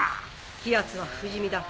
貴奴は不死身だ